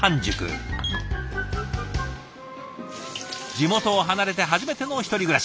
地元を離れて初めての１人暮らし。